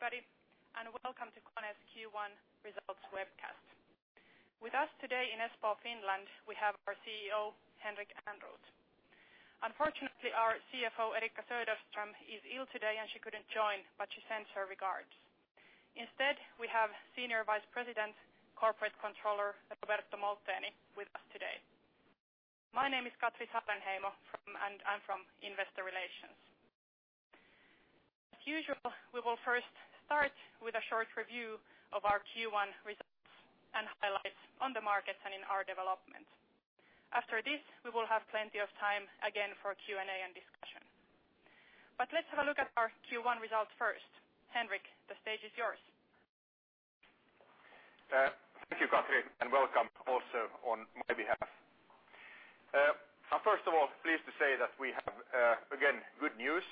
Everybody, welcome to KONE's Q1 results webcast. With us today in Espoo, Finland, we have our CEO, Henrik Ehrnrooth. Unfortunately, our CFO, Eriikka Söderström, is ill today and she couldn't join, but she sends her regards. Instead, we have Senior Vice President, Corporate Controller, Roberto Molteni with us today. My name is Katri Saarenheimo, and I'm from Investor Relations. As usual, we will first start with a short review of our Q1 results and highlights on the markets and in our development. After this, we will have plenty of time again for Q&A and discussion. Let's have a look at our Q1 results first. Henrik, the stage is yours. Thank you, Katri, welcome also on my behalf. I'm first of all pleased to say that we have, again, good news.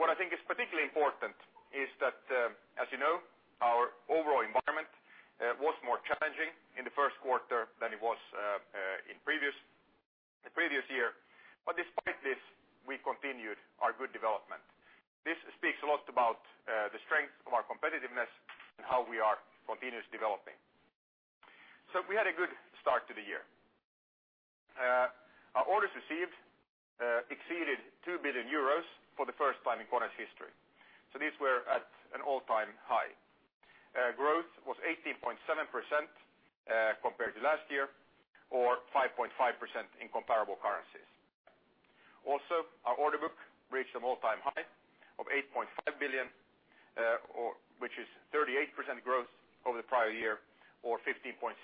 What I think is particularly important is that, as you know, our overall environment was more challenging in the first quarter than it was in the previous year. Despite this, we continued our good development. This speaks a lot about the strength of our competitiveness and how we are continuously developing. We had a good start to the year. Our orders received exceeded 2 billion euros for the first time in KONE's history. These were at an all-time high. Growth was 18.7% compared to last year or 5.5% in comparable currencies. Also, our order book reached an all-time high of 8.5 billion which is 38% growth over the prior year or 15.6%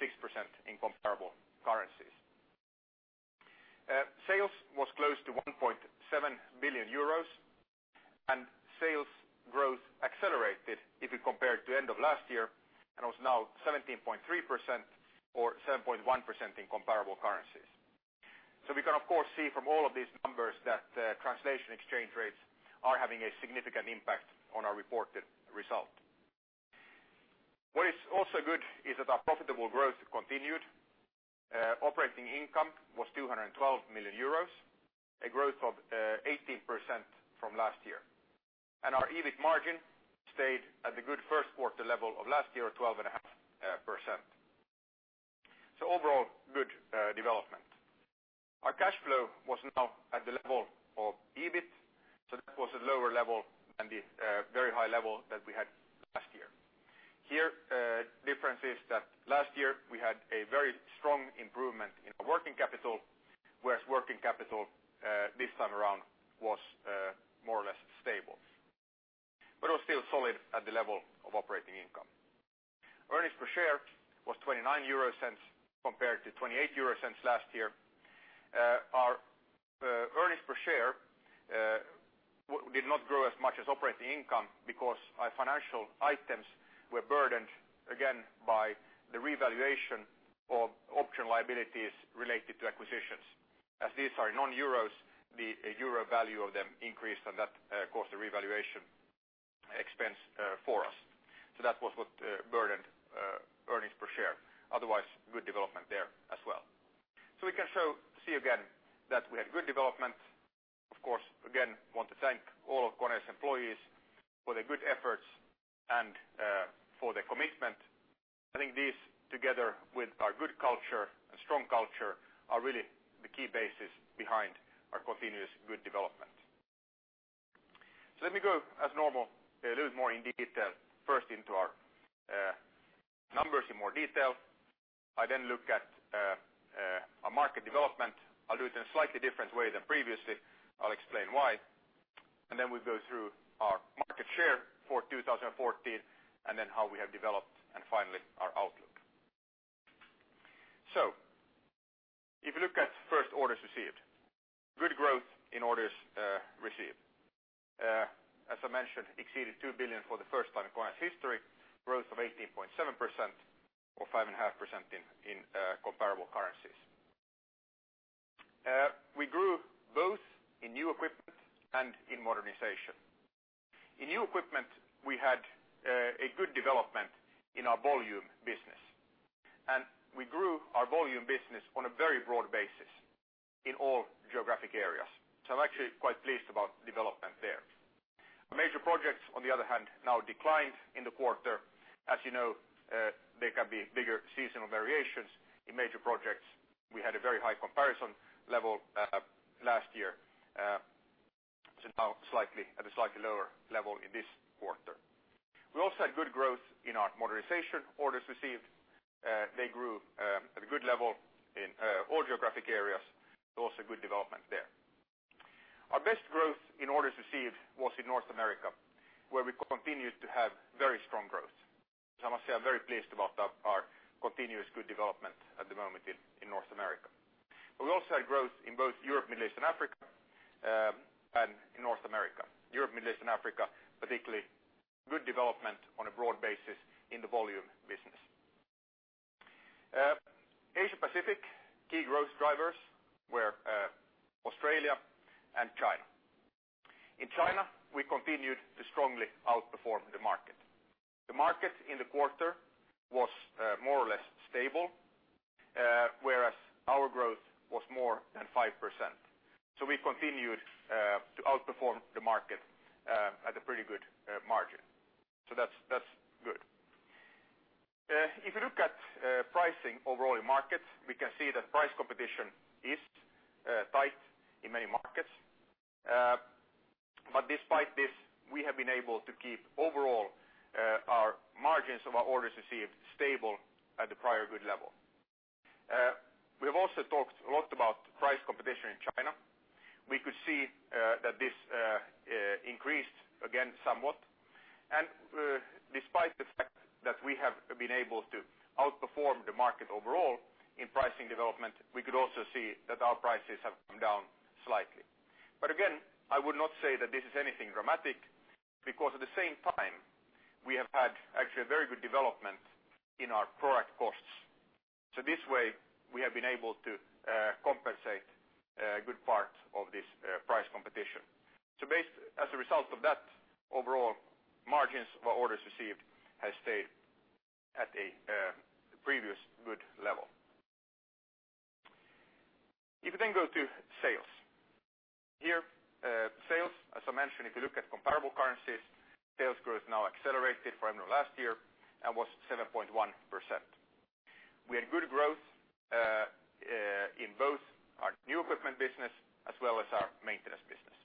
in comparable currencies. Sales was close to 1.7 billion euros and sales growth accelerated if you compare it to end of last year and was now 17.3% or 7.1% in comparable currencies. We can, of course, see from all of these numbers that translation exchange rates are having a significant impact on our reported result. What is also good is that our profitable growth continued. Operating income was 212 million euros, a growth of 18% from last year. Our EBIT margin stayed at the good first quarter level of last year at 12.5%. Overall, good development. Our cash flow was now at the level of EBIT, so that was a lower level than the very high level that we had last year. Here, difference is that last year we had a very strong improvement in our working capital, whereas working capital this time around was more or less stable. It was still solid at the level of operating income. Earnings per share was 0.29 compared to 0.28 last year. Our earnings per share did not grow as much as operating income because our financial items were burdened again by the revaluation of option liabilities related to acquisitions. As these are non-euros, the euro value of them increased, and that caused the revaluation expense for us. That was what burdened earnings per share. Otherwise, good development there as well. We can see again that we had good development. Of course, again, want to thank all of KONE's employees for their good efforts and for their commitment. I think this, together with our good culture and strong culture, are really the key bases behind our continuous good development. Let me go, as normal, a little more in detail, first into our numbers in more detail. I'll look at our market development. I'll do it in a slightly different way than previously. I'll explain why. We'll go through our market share for 2014, how we have developed, and finally, our outlook. If you look at first orders received. Good growth in orders received. As I mentioned, exceeded 2 billion for the first time in KONE's history, growth of 18.7% or 5.5% in comparable currencies. We grew both in new equipment and in modernization. In new equipment, we had a good development in our volume business, and we grew our volume business on a very broad basis in all geographic areas. I'm actually quite pleased about development there. Major projects, on the other hand, now declined in the quarter. As you know, there can be bigger seasonal variations in major projects. We had a very high comparison level last year, now at a slightly lower level in this quarter. We also had good growth in our modernization orders received. They grew at a good level in all geographic areas. Also good development there. Our best growth in orders received was in North America, where we continued to have very strong growth. I must say I'm very pleased about our continuous good development at the moment in North America. We also had growth in both Europe, Middle East and Africa, and in North America. Europe, Middle East and Africa, particularly good development on a broad basis in the volume business. Asia-Pacific key growth drivers were Australia and China. In China, we continued to strongly outperform the market. The market in the quarter was more or less stable Whereas our growth was more than 5%. We've continued to outperform the market at a pretty good margin. That's good. If you look at pricing overall in markets, we can see that price competition is tight in many markets. Despite this, we have been able to keep overall our margins of our orders received stable at the prior good level. We have also talked a lot about price competition in China. We could see that this increased again somewhat. Despite the fact that we have been able to outperform the market overall in pricing development, we could also see that our prices have come down slightly. Again, I would not say that this is anything dramatic because at the same time, we have had actually a very good development in our product costs. This way, we have been able to compensate a good part of this price competition. As a result of that, overall margins of our orders received has stayed at a previous good level. If you go to sales. Here, sales, as I mentioned, if you look at comparable currencies, sales growth now accelerated from last year and was 7.1%. We had good growth in both our new equipment business as well as our maintenance business.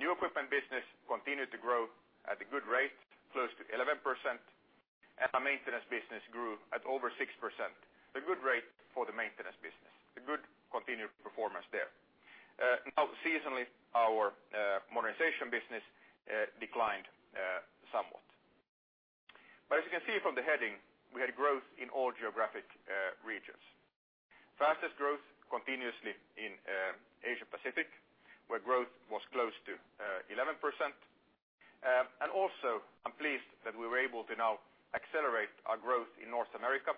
New equipment business continued to grow at a good rate, close to 11%, and our maintenance business grew at over 6%, a good rate for the maintenance business. A good continued performance there. Now seasonally, our modernization business declined somewhat. As you can see from the heading, we had growth in all geographic regions. Fastest growth continuously in Asia-Pacific, where growth was close to 11%. I'm pleased that we were able to now accelerate our growth in North America.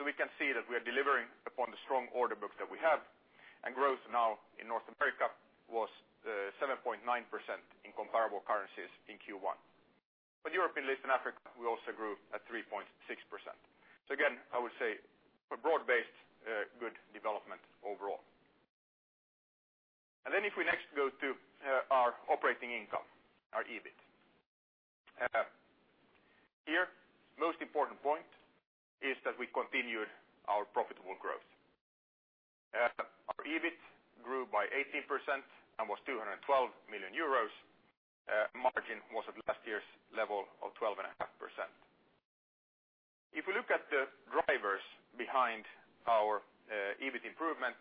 We can see that we are delivering upon the strong order books that we have, and growth now in North America was 7.9% in comparable currencies in Q1. Europe, Middle East, and Africa, we also grew at 3.6%. Again, I would say a broad-based good development overall. If we next go to our operating income, our EBIT. Here, most important point is that we continued our profitable growth. Our EBIT grew by 18% and was 212 million euros. Margin was at last year's level of 12.5%. If we look at the drivers behind our EBIT improvement,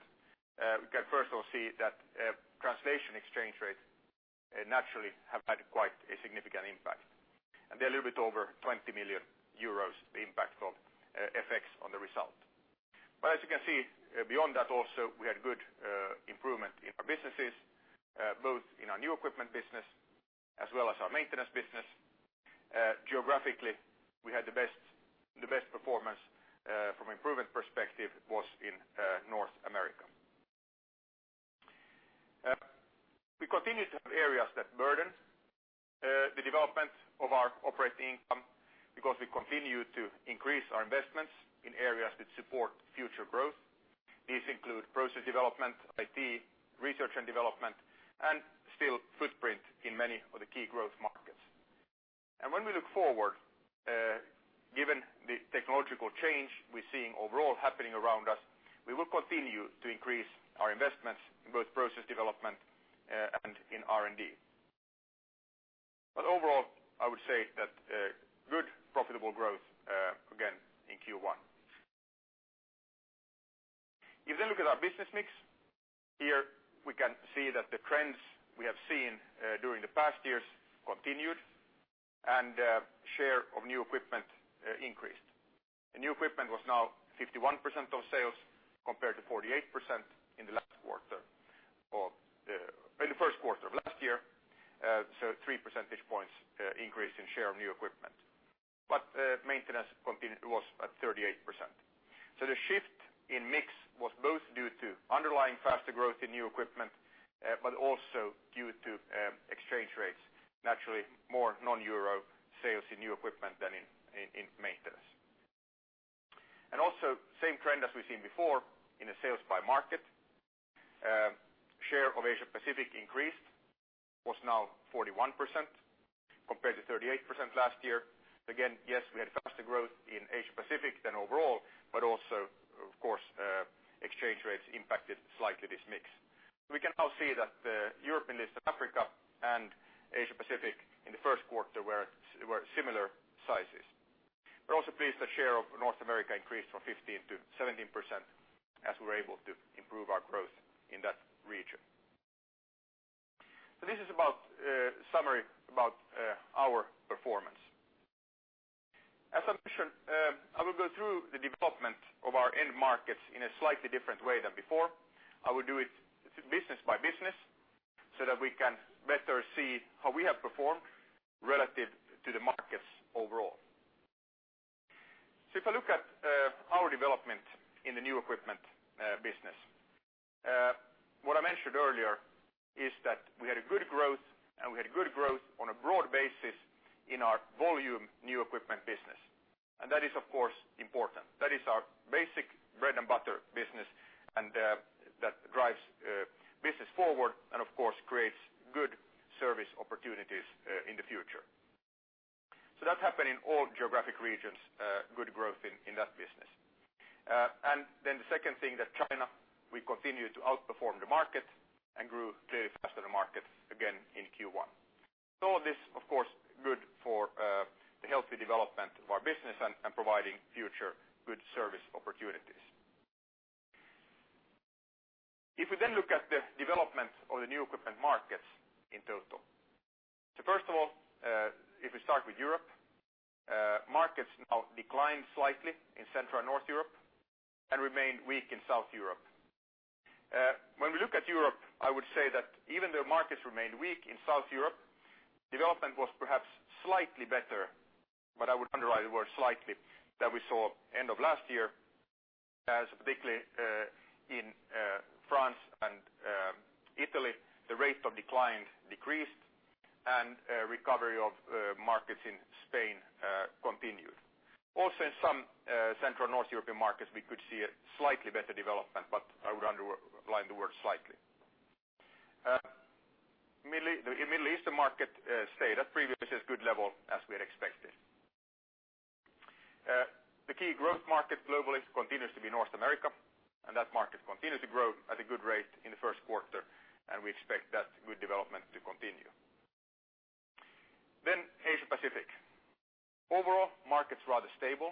we can first of all see that translation exchange rate naturally have had quite a significant impact. There's a little bit over 20 million euros impact of FX on the result. As you can see, beyond that also, we had good improvement in our businesses, both in our new equipment business as well as our maintenance business. Geographically, we had the best performance from improvement perspective was in North America. We continue to have areas that burden the development of our operating income because we continue to increase our investments in areas that support future growth. These include process development, IT, research and development, and still footprint in many of the key growth markets. When we look forward, given the technological change we're seeing overall happening around us, we will continue to increase our investments in both process development and in R&D. Overall, I would say that good profitable growth, again, in Q1. If you look at our business mix, here we can see that the trends we have seen during the past years continued and share of new equipment increased. The new equipment was now 51% of sales compared to 48% in the first quarter of last year. Three percentage points increase in share of new equipment. Maintenance was at 38%. The shift in mix was both due to underlying faster growth in new equipment, but also due to exchange rates. Naturally, more non-EUR sales in new equipment than in maintenance. Same trend as we've seen before in a sales by market. Share of Asia Pacific increased, was now 41% compared to 38% last year. Yes, we had faster growth in Asia Pacific than overall, but also of course, exchange rates impacted slightly this mix. We can now see that Europe, Middle East, and Africa and Asia Pacific in the first quarter were similar sizes. We're also pleased that share of North America increased from 15% to 17% as we were able to improve our growth in that region. This is a summary about our performance. As I mentioned, I will go through the development of our end markets in a slightly different way than before. I will do it business by business so that we can better see how we have performed relative to the markets overall. If I look at our development in the new equipment business I mentioned earlier is that we had a good growth, and we had good growth on a broad basis in our volume new equipment business. That is, of course, important. That is our basic bread-and-butter business. That drives business forward and, of course, creates good service opportunities in the future. That happened in all geographic regions, good growth in that business. The second thing that China, we continue to outperform the market and grew clearly faster than market again in Q1. This, of course, good for the healthy development of our business and providing future good service opportunities. If we look at the development of the new equipment markets in total. First of all, if we start with Europe, markets now declined slightly in Central and North Europe and remained weak in South Europe. When we look at Europe, I would say that even though markets remained weak in South Europe, development was perhaps slightly better, but I would underline the word slightly that we saw end of last year, as particularly in France and Italy, the rate of decline decreased, and recovery of markets in Spain continued. Also, in some Central North European markets, we could see a slightly better development, but I would underline the word slightly. In Middle Eastern market stayed at previous good level as we had expected. The key growth market globally continues to be North America. That market continues to grow at a good rate in the first quarter, and we expect that good development to continue. Asia-Pacific. Overall, markets rather stable.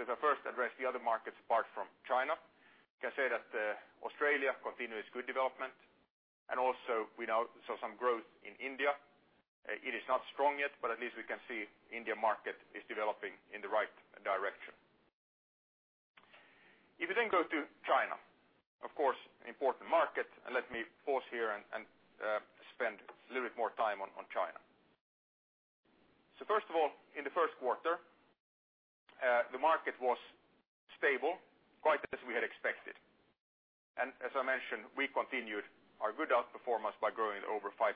If I first address the other markets apart from China, can say that Australia continues good development. We now saw some growth in India. It is not strong yet, but at least we can see India market is developing in the right direction. If you go to China, of course, an important market. Let me pause here and spend a little bit more time on China. First of all, in the first quarter, the market was stable, quite as we had expected. As I mentioned, we continued our good outperformance by growing over 5%.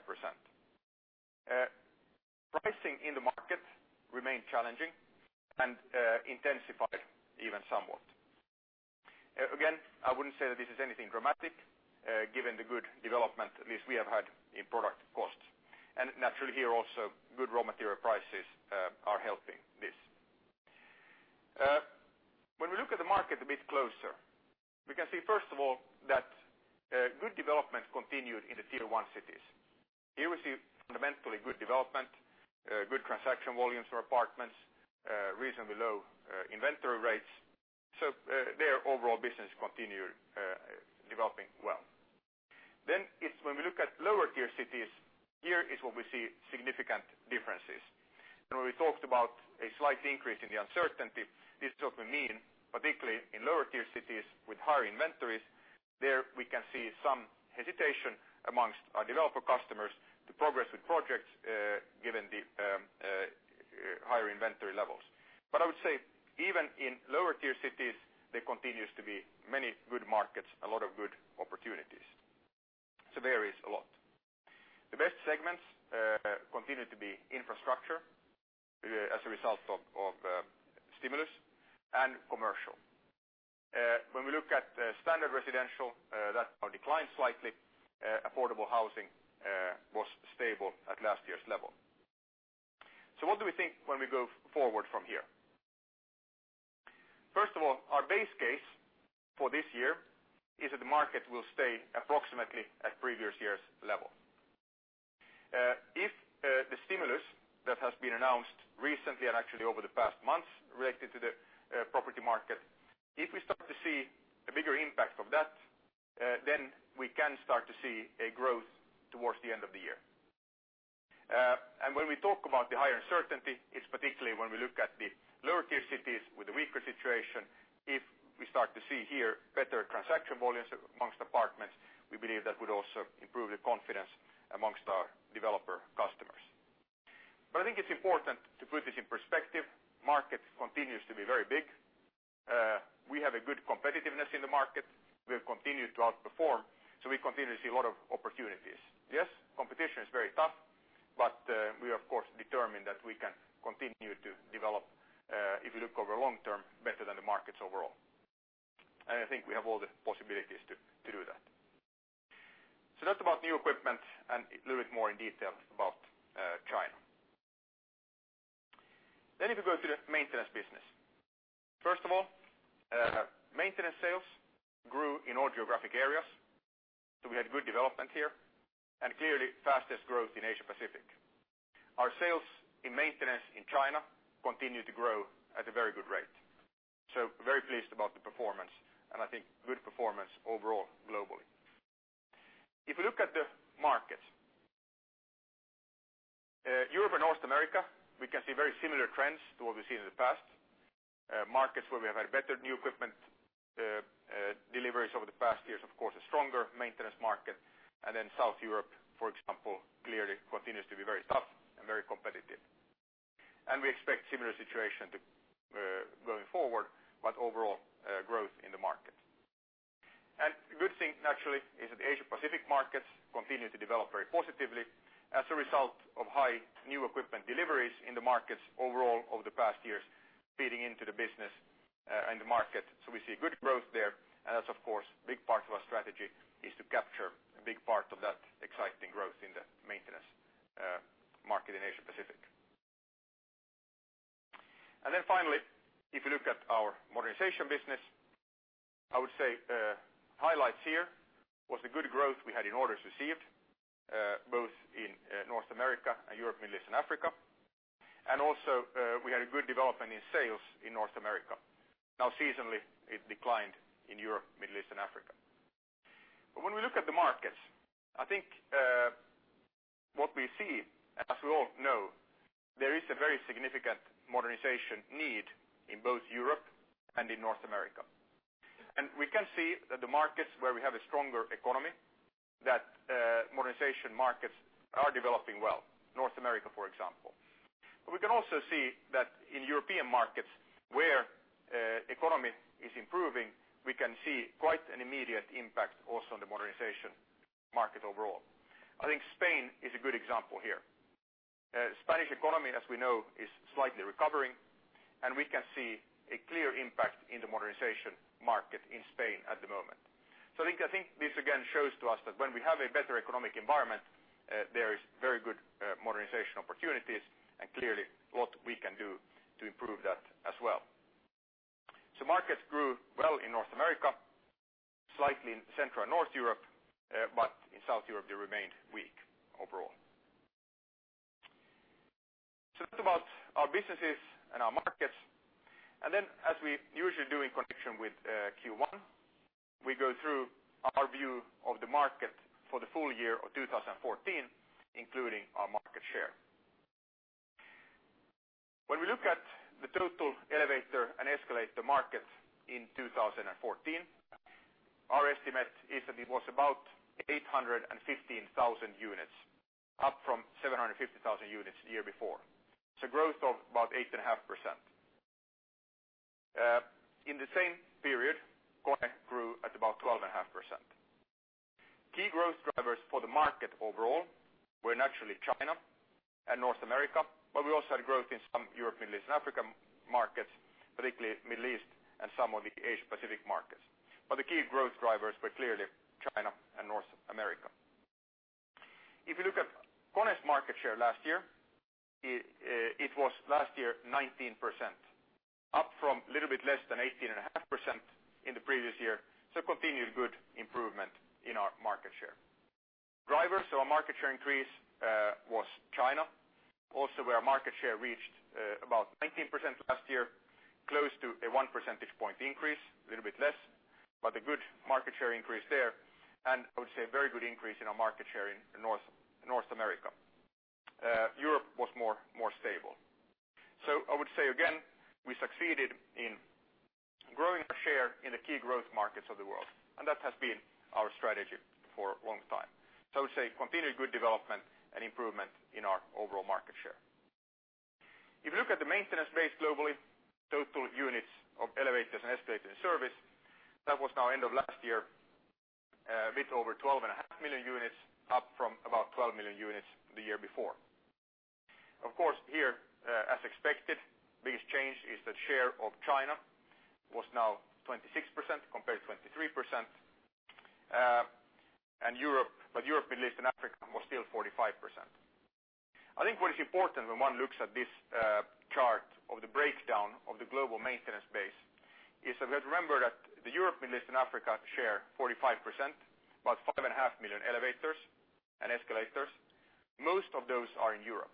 Pricing in the market remained challenging and intensified even somewhat. I wouldn't say that this is anything dramatic given the good development at least we have had in product costs. Naturally here also, good raw material prices are helping this. When we look at the market a bit closer, we can see, first of all, that good development continued in the tier 1 cities. Here we see fundamentally good development, good transaction volumes for apartments, reasonably low inventory rates. There overall business continued developing well. When we look at lower-tier cities, here is where we see significant differences. When we talked about a slight increase in the uncertainty, this is what we mean, particularly in lower-tier cities with higher inventories. There we can see some hesitation amongst our developer customers to progress with projects given the higher inventory levels. I would say even in lower-tier cities, there continues to be many good markets, a lot of good opportunities. Varies a lot. The best segments continue to be infrastructure as a result of stimulus and commercial. When we look at standard residential, that now declined slightly. Affordable housing was stable at last year's level. What do we think when we go forward from here? First of all, our base case for this year is that the market will stay approximately at previous year's level. If the stimulus that has been announced recently and actually over the past months related to the property market, if we start to see a bigger impact of that, then we can start to see a growth towards the end of the year. When we talk about the higher uncertainty, it's particularly when we look at the lower tier cities with the weaker situation. If we start to see here better transaction volumes amongst apartments, we believe that would also improve the confidence amongst our developer customers. I think it's important to put this in perspective. Market continues to be very big. We have a good competitiveness in the market. We have continued to outperform, so we continue to see a lot of opportunities. Yes, competition is very tough. We, of course, determine that we can continue to develop, if you look over long term, better than the markets overall. I think we have all the possibilities to do that. That's about new equipment and a little bit more in detail about China. If you go to the maintenance business. First of all, maintenance sales grew in all geographic areas. We had good development here and clearly fastest growth in Asia-Pacific. Our sales in maintenance in China continue to grow at a very good rate. Very pleased about the performance and I think good performance overall globally. If you look at the markets, Europe and North America, we can see very similar trends to what we've seen in the past. Markets where we have had better new equipment deliveries over the past years, of course, a stronger maintenance market. South Europe, for example, clearly continues to be very tough and very competitive. We expect similar situation going forward, but overall growth in the market. A good thing naturally is that the Asia-Pacific markets continue to develop very positively as a result of high new equipment deliveries in the markets overall over the past years feeding into the business and the market. We see good growth there, and that's of course, a big part of our strategy is to capture a big part of that exciting growth in the maintenance market in Asia-Pacific. Finally, if you look at our modernization business, I would say the highlights here was the good growth we had in orders received both in North America and Europe, Middle East and Africa. Also we had a good development in sales in North America. Now seasonally, it declined in Europe, Middle East and Africa. When we look at the markets, I think what we see, as we all know, there is a very significant modernization need in both Europe and in North America. We can see that the markets where we have a stronger economy, that modernization markets are developing well, North America, for example. We can also see that in European markets where economy is improving, we can see quite an immediate impact also on the modernization market overall. I think Spain is a good example here. Spanish economy, as we know, is slightly recovering. We can see a clear impact in the modernization market in Spain at the moment. I think this again shows to us that when we have a better economic environment, there is very good modernization opportunities and clearly a lot we can do to improve that as well. Markets grew well in North America, slightly in Central and North Europe, but in South Europe, they remained weak overall. That's about our businesses and our markets. As we usually do in connection with Q1, we go through our view of the market for the full year of 2014, including our market share. When we look at the total elevator and escalator market in 2014, our estimate is that it was about 815,000 units, up from 750,000 units the year before. It's a growth of about 8.5%. In the same period, KONE grew at about 12.5%. Key growth drivers for the market overall were naturally China and North America, but we also had growth in some Europe, Middle East and Africa markets, particularly Middle East and some of the Asia-Pacific markets. The key growth drivers were clearly China and North America. If you look at KONE's market share last year, it was last year 19%, up from a little bit less than 18.5% in the previous year. Continued good improvement in our market share. Drivers of our market share increase was China, also where our market share reached about 19% last year, close to a one percentage point increase, a little bit less, but a good market share increase there. I would say a very good increase in our market share in North America. Europe was more stable. I would say again, we succeeded in growing our share in the key growth markets of the world. That has been our strategy for a long time. I would say continued good development and improvement in our overall market share. If you look at the maintenance base globally, total units of elevators and escalators in service, that was now end of last year, a bit over 12.5 million units, up from about 12 million units the year before. Of course, here as expected, biggest change is the share of China was now 26% compared to 23%. Europe, Middle East and Africa was still 45%. I think what is important when one looks at this chart of the breakdown of the global maintenance base is that we have to remember that the Europe, Middle East and Africa share 45%, about five and a half million elevators and escalators. Most of those are in Europe.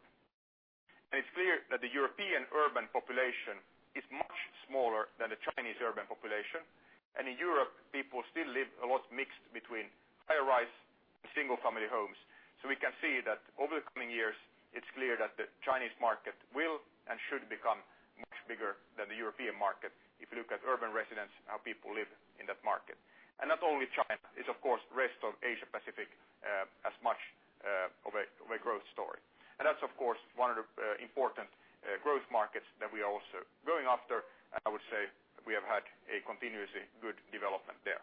It's clear that the European urban population is much smaller than the Chinese urban population. In Europe, people still live a lot mixed between high rise and single family homes. We can see that over the coming years, it's clear that the Chinese market will and should become much bigger than the European market if you look at urban residents and how people live in that market. Not only China, it's of course rest of Asia-Pacific as much of a growth story. That's of course one of the important growth markets that we are also going after. I would say we have had a continuously good development there.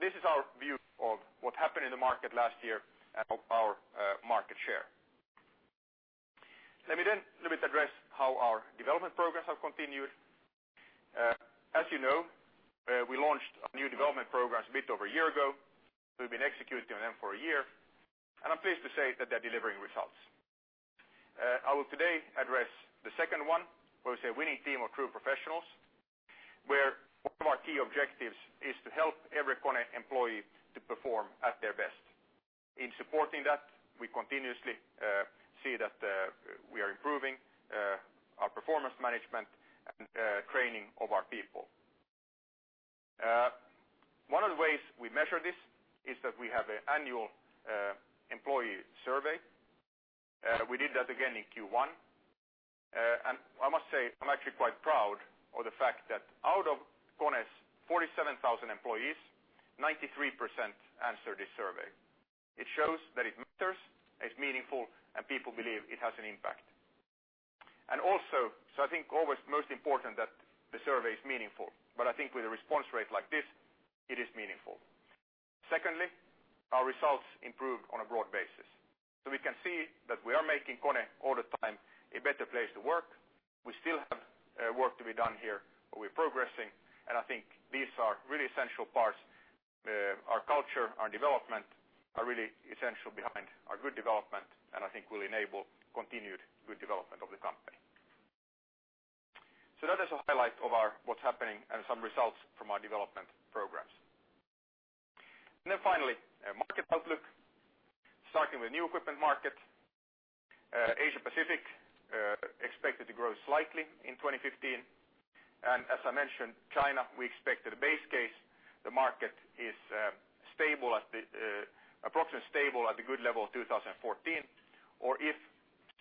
This is our view of what happened in the market last year and of our market share. Let me a little bit address how our development programs have continued. As you know, we launched our new development programs a bit over a year ago. We've been executing on them for a year, and I'm pleased to say that they're delivering results. I will today address the second one, where we say a winning team of true professionals, where one of our key objectives is to help every KONE employee to perform at their best. In supporting that, we continuously see that we are improving our performance management and training of our people. One of the ways we measure this is that we have an annual employee survey. We did that again in Q1. I must say, I'm actually quite proud of the fact that out of KONE's 47,000 employees, 93% answered this survey. It shows that it matters, it's meaningful, and people believe it has an impact. I think always most important that the survey is meaningful, but I think with a response rate like this, it is meaningful. Secondly, our results improved on a broad basis. We can see that we are making KONE all the time a better place to work. We still have work to be done here, but we're progressing. I think these are really essential parts. Our culture, our development, are really essential behind our good development and I think will enable continued good development of the company. That is a highlight of what's happening and some results from our development programs. Finally, market outlook. Starting with new equipment market. Asia Pacific expected to grow slightly in 2015. As I mentioned, China, we expected the base case. The market is approximately stable at the good level of 2014 or if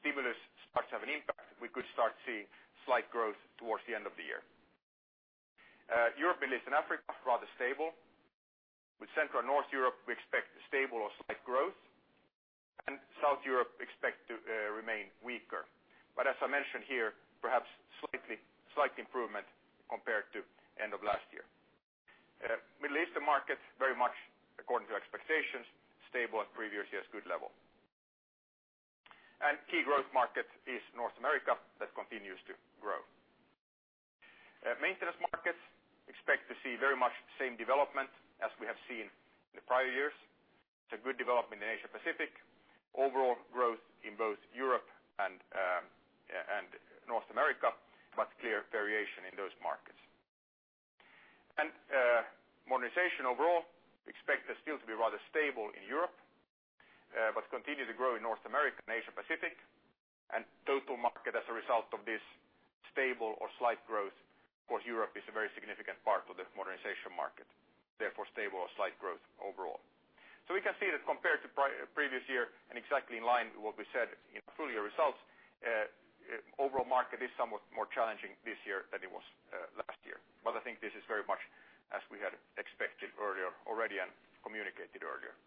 stimulus starts to have an impact, we could start seeing slight growth towards the end of the year. Europe, Middle East, and Africa, rather stable. With Central and North Europe, we expect stable or slight growth and South Europe expect to remain weaker. As I mentioned here, perhaps slight improvement compared to end of last year. Middle Eastern market, very much according to expectations, stable at previous years' good level. Key growth market is North America. That continues to grow. Maintenance markets expect to see very much the same development as we have seen in the prior years. It's a good development in Asia Pacific. Overall growth in both Europe and North America, but clear variation in those markets. Modernization overall, expect that still to be rather stable in Europe, but continue to grow in North America and Asia Pacific, and total market as a result of this stable or slight growth, of course, Europe is a very significant part of the modernization market, therefore stable or slight growth overall. We can see that compared to previous year and exactly in line with what we said in full year results, overall market is somewhat more challenging this year than it was last year. I think this is very much as we had expected earlier already and communicated earlier.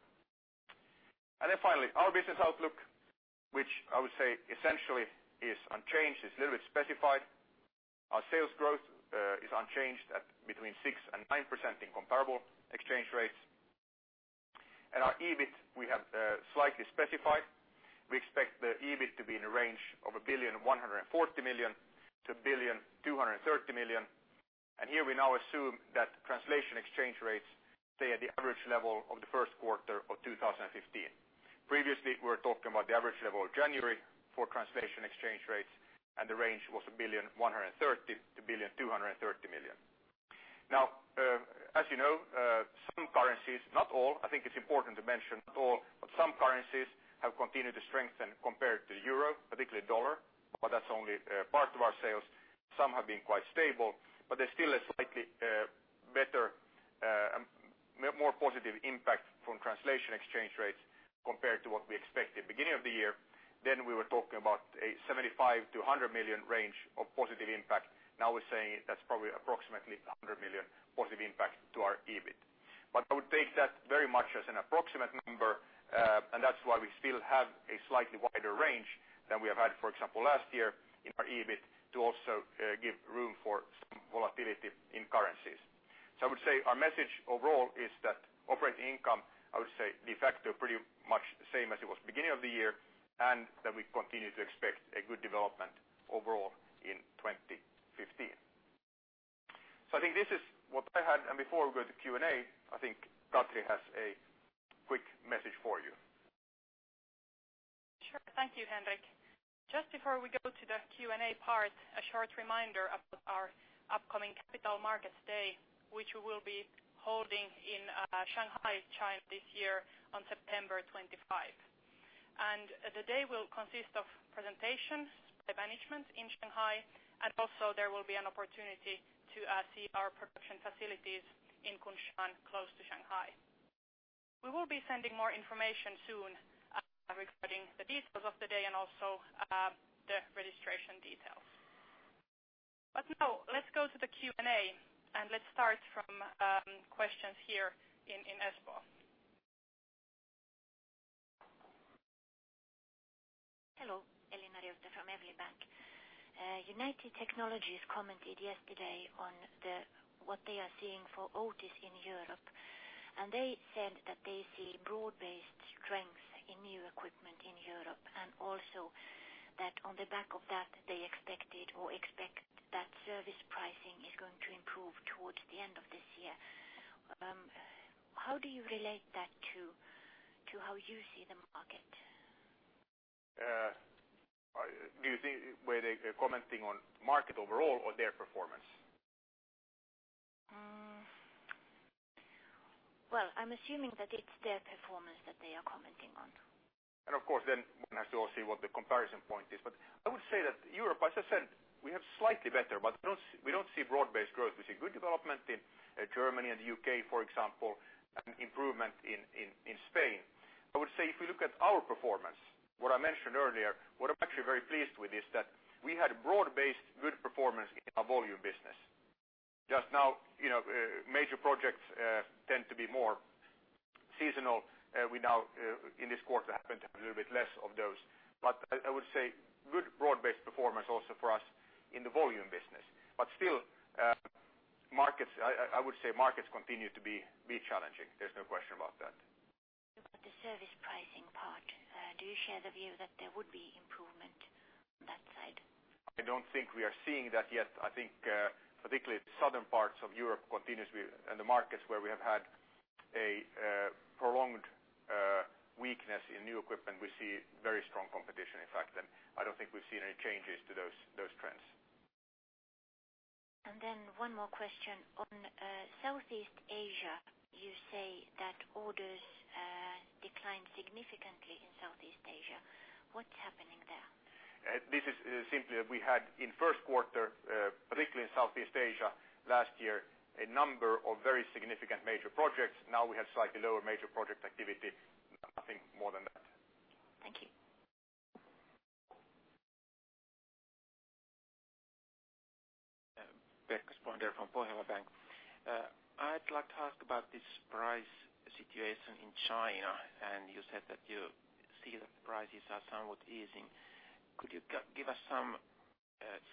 Finally, our business outlook which I would say essentially is unchanged. It's a little bit specified. Our sales growth is unchanged at between 6% and 9% in comparable exchange rates. Our EBIT, we have slightly specified. We expect the EBIT to be in a range of 1,140 million to 1,230 million. Here we now assume that translation exchange rates stay at the average level of the first quarter of 2015. Previously, we were talking about the average level of January for translation exchange rates, and the range was 1,130 million to EUR 1,230 million. As you know, some currencies, not all, I think it's important to mention not all, but some currencies have continued to strengthen compared to EUR, particularly USD, but that's only part of our sales. Some have been quite stable, there's still a slightly better, more positive impact from translation exchange rates compared to what we expected beginning of the year. We were talking about a 75 million to 100 million range of positive impact. We're saying that's probably approximately 100 million positive impact to our EBIT. I would take that very much as an approximate number and that's why we still have a slightly wider range than we have had, for example, last year in our EBIT to also give room for some volatility in currencies. I would say our message overall is that operating income, I would say de facto pretty much the same as it was beginning of the year and that we continue to expect a good development overall in 2015. I think this is what I had and before we go to Q&A I think Katri has a quick message for you. Sure. Thank you, Henrik. Just before we go to the Q&A part, a short reminder about our upcoming Capital Markets Day, which we will be holding in Shanghai, China this year on September 25. The day will consist of presentations by management in Shanghai, and also there will be an opportunity to see our production facilities in Kunshan, close to Shanghai. We will be sending more information soon regarding the details of the day and also the registration details. Now let's go to the Q&A and let's start from questions here in Espoo. Hello. Elina Riutta from EVLI Bank. United Technologies commented yesterday on what they are seeing for Otis in Europe. They said that they see broad-based strength in new equipment in Europe and also that on the back of that they expected or expect that service pricing is going to improve towards the end of this year. How do you relate that to how you see the market? Were they commenting on market overall or their performance? Well, I'm assuming that it's their performance that they are commenting on. Of course then one has to also see what the comparison point is. I would say that Europe, as I said, we have slightly better, but we don't see broad-based growth. We see good development in Germany and the U.K., for example, and improvement in Spain. I would say if we look at our performance, what I mentioned earlier, what I'm actually very pleased with is that we had broad-based good performance in our volume business. Just now, major projects tend to be more seasonal. We now, in this quarter, happen to have a little bit less of those. I would say good broad-based performance also for us in the volume business. Still, I would say markets continue to be challenging. There's no question about that. What about the service pricing part? Do you share the view that there would be improvement on that side? I don't think we are seeing that yet. I think particularly the southern parts of Europe continues to be in the markets where we have had a prolonged weakness in new equipment. We see very strong competition, in fact. I don't think we've seen any changes to those trends. One more question. On Southeast Asia, you say that orders declined significantly in Southeast Asia. What's happening there? This is simply we had in first quarter, particularly in Southeast Asia last year, a number of very significant major projects. Now we have slightly lower major project activity. Nothing more than that. Thank you. Pekka Spolander from Pohjola Bank. I'd like to ask about this price situation in China. You said that you see that the prices are somewhat easing. Could you give us some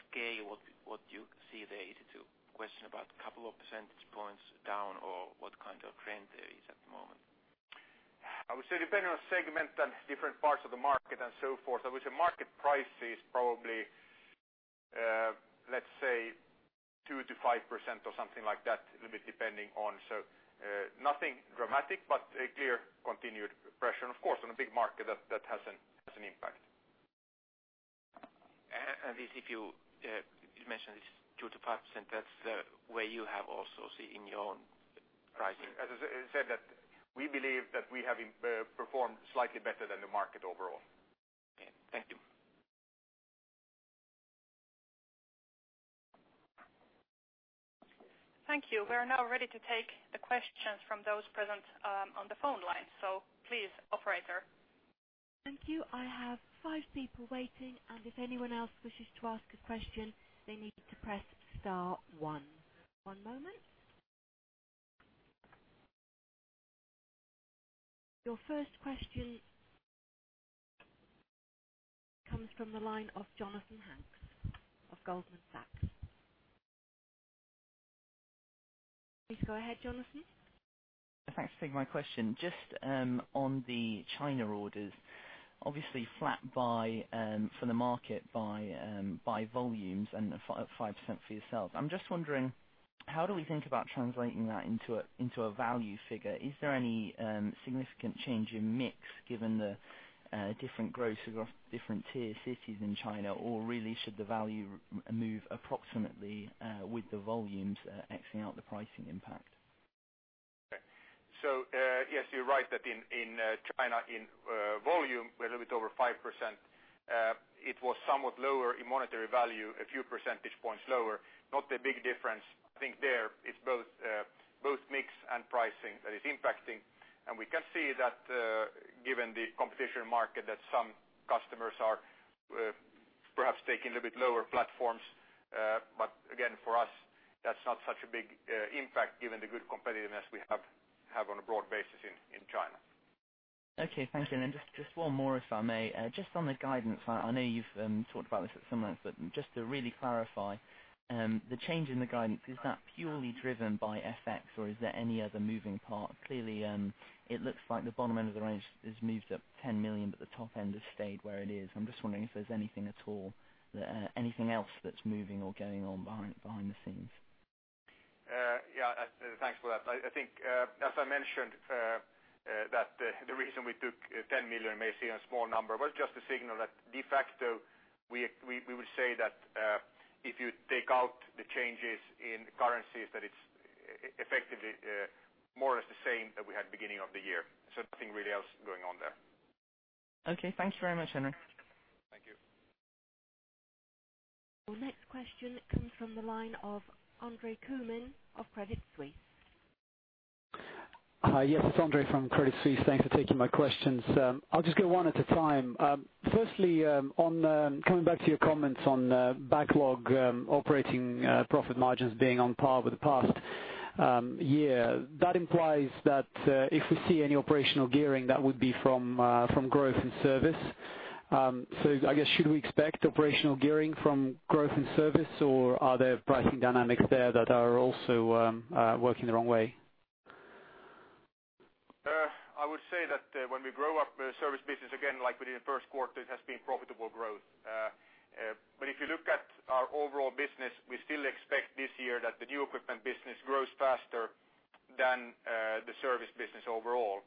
scale what you see there? Is it a question about couple of percentage points down, or what kind of trend there is at the moment? I would say depending on segment and different parts of the market and so forth. I would say market price is probably, let's say, 2%-5% or something like that, a little bit depending on. Nothing dramatic, but a clear continued pressure. Of course, on a big market that has an impact. If you mentioned this 2%-5%, that's where you have also seen in your own pricing. As I said, that we believe that we have performed slightly better than the market overall. Okay. Thank you. Thank you. We are now ready to take the questions from those present on the phone line. Please, operator. Thank you. I have five people waiting, and if anyone else wishes to ask a question, they need to press star one. One moment. Your first question comes from the line of Jonathan Hanks of Goldman Sachs. Please go ahead, Jonathan. Thanks for taking my question. On the China orders, obviously flat for the market by volumes and 5% for yourselves. I'm just wondering, how do we think about translating that into a value figure? Is there any significant change in mix given the different growth of different tier cities in China? Or really should the value move approximately with the volumes axing out the pricing impact? Okay. Yes, you're right that in China, in volume, we're a little bit over 5%. It was somewhat lower in monetary value, a few percentage points lower, not a big difference. I think there it's both mix and pricing that is impacting. We can see that given the competition market, that some customers are perhaps taking a little bit lower platforms. Again, for us, that's not such a big impact given the good competitiveness we have on a broad basis in China. Okay, thank you. Then one more, if I may. On the guidance, I know you've talked about this at some length, but to really clarify the change in the guidance, is that purely driven by FX or is there any other moving part? Clearly, it looks like the bottom end of the range has moved up 10 million, the top end has stayed where it is. I'm just wondering if there's anything at all, anything else that's moving or going on behind the scenes. Yeah, thanks for that. I think as I mentioned that the reason we took 10 million may seem a small number, it's just a signal that de facto, we will say that if you take out the changes in currencies, that it's effectively more or less the same that we had beginning of the year. Nothing really else going on there. Okay, thanks very much, Henrik. Thank you. Our next question comes from the line of Andre Kukhnin of Credit Suisse. Hi, yes, it's Andre from Credit Suisse. Thanks for taking my questions. I'll just go one at a time. Firstly, coming back to your comments on backlog operating profit margins being on par with the past year. That implies that if we see any operational gearing, that would be from growth and service. I guess should we expect operational gearing from growth and service, or are there pricing dynamics there that are also working the wrong way? I would say that when we grow up service business again, like we did in the first quarter, it has been profitable growth. If you look at our overall business, we still expect this year that the new equipment business grows faster than the service business overall.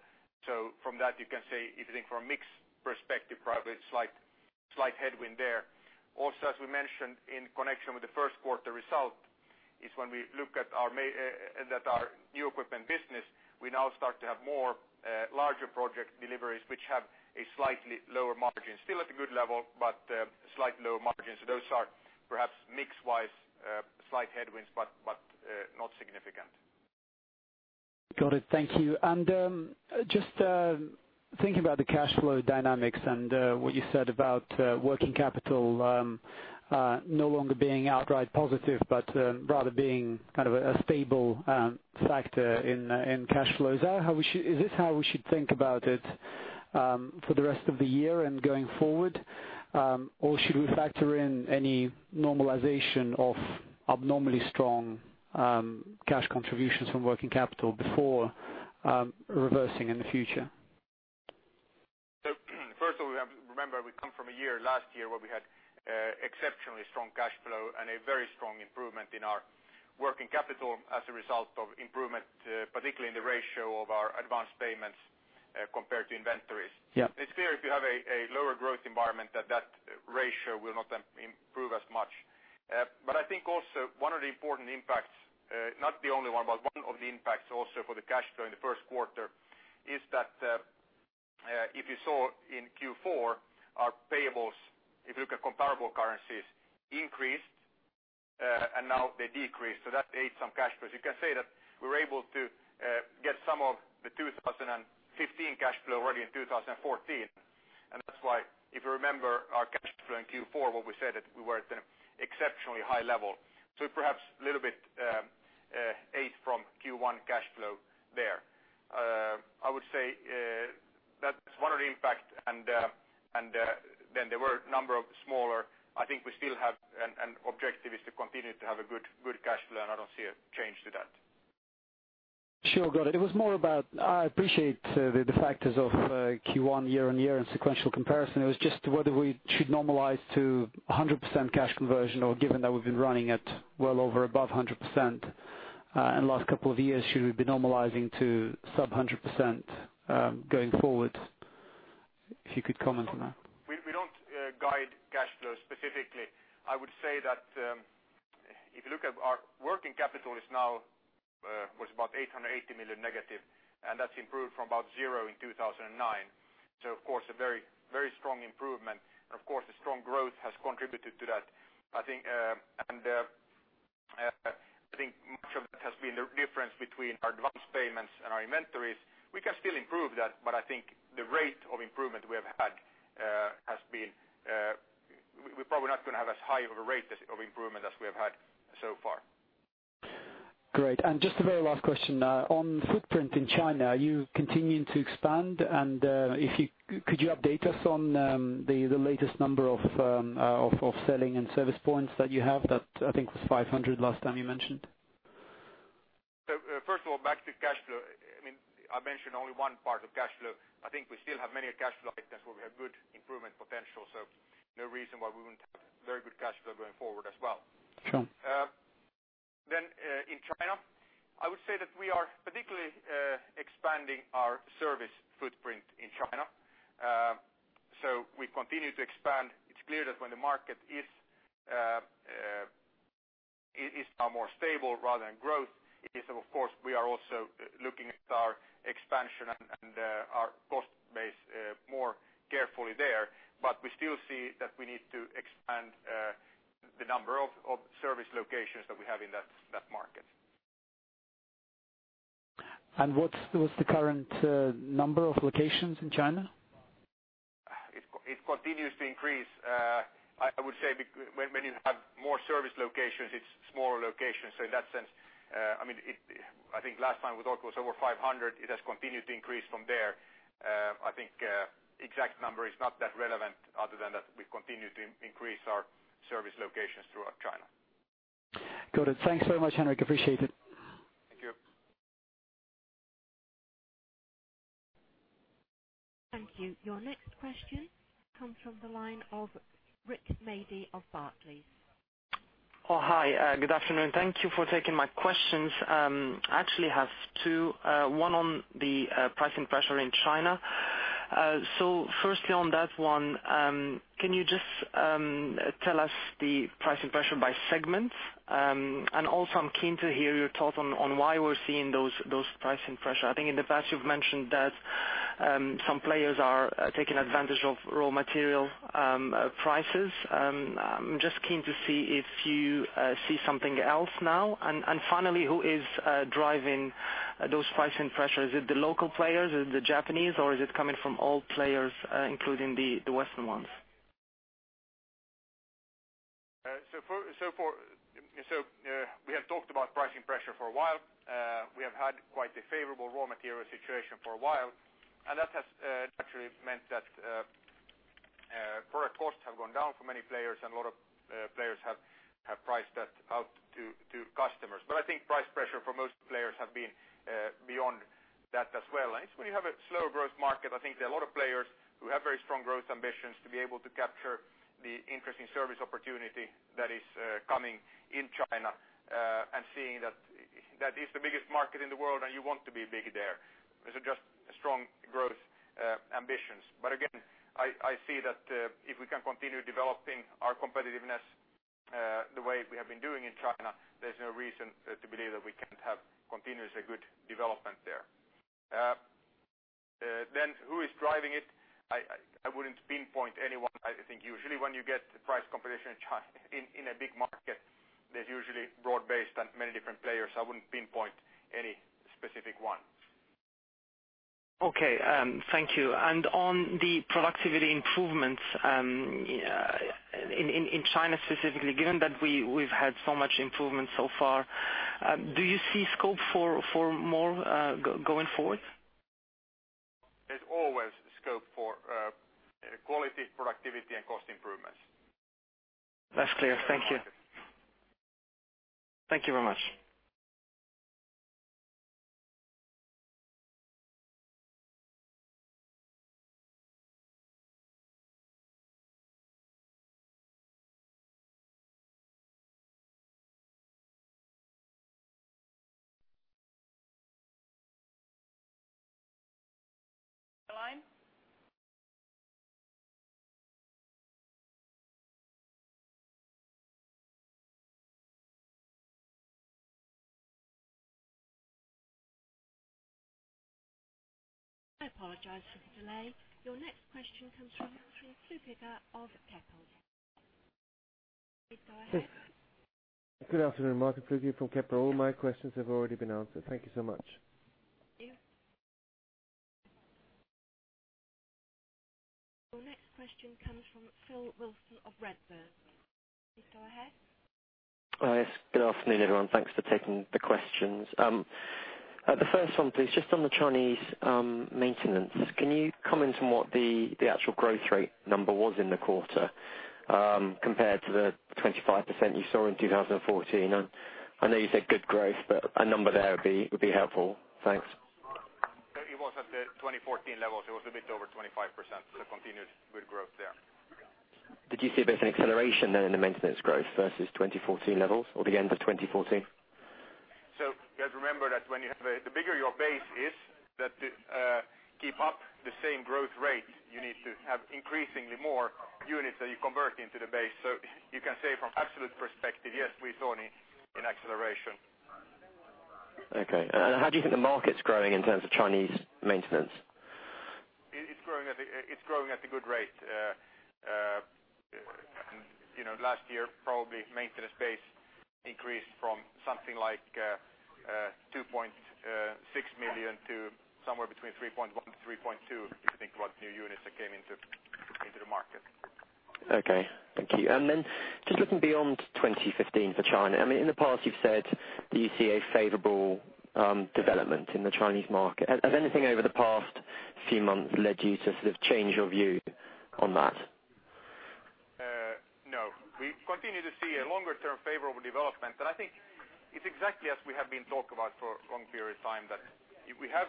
From that you can say, if you think from a mix perspective, probably a slight headwind there. Also, as we mentioned in connection with the first quarter result is when we look at our new equipment business, we now start to have more larger project deliveries which have a slightly lower margin. Still at a good level, but slightly lower margins. Those are perhaps mix wise slight headwinds, but not significant. Got it. Thank you. Just thinking about the cash flow dynamics and what you said about working capital no longer being outright positive, but rather being a stable factor in cash flows. Is this how we should think about it for the rest of the year and going forward? Or should we factor in any normalization of abnormally strong cash contributions from working capital before reversing in the future? First of all, remember, we come from a year last year where we had exceptionally strong cash flow and a very strong improvement in our working capital as a result of improvement, particularly in the ratio of our advanced payments compared to inventories. Yeah. It's clear if you have a lower growth environment that that ratio will not improve as much. I think also one of the important impacts, not the only one, but one of the impacts also for the cash flow in the first quarter is that, if you saw in Q4, our payables, if you look at comparable currencies, increased, and now they decreased. That ate some cash flows. You can say that we were able to get some of the 2015 cash flow already in 2014, and that's why, if you remember our cash flow in Q4, what we said that we were at an exceptionally high level. It perhaps a little bit ate from Q1 cash flow there. I would say that's one of the impacts. I think we still have an objective is to continue to have a good cash flow, and I don't see a change to that. Sure. Got it. I appreciate the factors of Q1 year-on-year and sequential comparison. It was just whether we should normalize to 100% cash conversion or given that we've been running at well over above 100% in the last couple of years, should we be normalizing to sub 100% going forward? If you could comment on that. We don't guide cash flow specifically. I would say that if you look at our working capital is now was about 880 million negative, and that's improved from about zero in 2009. Of course, a very strong improvement and of course a strong growth has contributed to that. I think much of it has been the difference between our advanced payments and our inventories. We can still improve that, but I think the rate of improvement we have had, we're probably not going to have as high of a rate of improvement as we have had so far. Great. Just a very last question, on footprint in China, you continuing to expand and could you update us on the latest number of selling and service points that you have? That, I think it was 500 last time you mentioned. First of all, back to cash flow. I mentioned only one part of cash flow. I think we still have many cash flow items where we have good improvement potential, no reason why we wouldn't have very good cash flow going forward as well. Sure. In China, I would say that we are particularly expanding our service footprint in China. We continue to expand. It's clear that when the market is now more stable rather than growth is, of course, we are also looking at our expansion and our cost base more carefully there. We still see that we need to expand the number of service locations that we have in that market. What's the current number of locations in China? It continues to increase. I would say when you have more service locations, it's smaller locations. In that sense, I think last time we talked was over 500. It has continued to increase from there. I think exact number is not that relevant other than that we've continued to increase our service locations throughout China. Got it. Thanks very much, Henrik. Appreciate it. Thank you. Thank you. Your next question comes from the line of Rick [Madi] of Barclays. Oh, hi. Good afternoon. Thank you for taking my questions. I actually have two. One on the pricing pressure in China. Firstly, on that one, can you just tell us the pricing pressure by segment? Also I'm keen to hear your thoughts on why we're seeing those pricing pressure. I think in the past you've mentioned that some players are taking advantage of raw material prices. I'm just keen to see if you see something else now. Finally, who is driving those pricing pressures? Is it the local players? Is it the Japanese or is it coming from all players including the Western ones? We have talked about pricing pressure for a while. We have had quite a favorable raw material situation for a while, and that has actually meant that product costs have gone down for many players, and a lot of players have priced that out to customers. I think price pressure for most players have been beyond that as well. It's when you have a slow growth market, I think there are a lot of players who have very strong growth ambitions to be able to capture the interesting service opportunity that is coming in China and seeing that that is the biggest market in the world and you want to be big there. These are just strong growth ambitions. Again, I see that if we can continue developing our competitiveness the way we have been doing in China, there's no reason to believe that we can't have continuously good development there. Who is driving it? I wouldn't pinpoint anyone. I think usually when you get price competition in a big market, there's usually broad-based and many different players. I wouldn't pinpoint any specific one. Okay. Thank you. On the productivity improvements, in China specifically, given that we've had so much improvement so far, do you see scope for more going forward? There's always scope for quality, productivity, and cost improvements. That's clear. Thank you. Thank you very much. Line? I apologize for the delay. Your next question comes from Flueckiger of Kepler. Please go ahead. Good afternoon. Martin Flueckiger from Kepler. All my questions have already been answered. Thank you so much. Thank you. Your next question comes from Phil Wilson of Redburn. Please go ahead. Yes, good afternoon, everyone. Thanks for taking the questions. The first one, please, just on the Chinese maintenance, can you comment on what the actual growth rate number was in the quarter, compared to the 25% you saw in 2014? I know you said good growth, but a number there would be helpful. Thanks. It was at the 2014 levels. It was a bit over 25%, continuous good growth there. Did you see a bit of an acceleration then in the maintenance growth versus 2014 levels or the end of 2014? You have to remember that the bigger your base is, that to keep up the same growth rate, you need to have increasingly more units that you convert into the base. You can say from absolute perspective, yes, we've seen an acceleration. Okay. How do you think the market's growing in terms of Chinese maintenance? It's growing at a good rate. Last year, probably maintenance base increased from something like 2.6 million to somewhere between 3.1-3.2, if you think about new units that came into the market. Okay. Thank you. Just looking beyond 2015 for China, in the past you've said that you see a favorable development in the Chinese market. Has anything over the past few months led you to sort of change your view on that? No. We continue to see a longer-term favorable development, and I think it's exactly as we have been talked about for a long period of time, that if we have